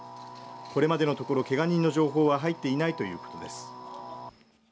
これまでのところけが人の情報は入っていないということです。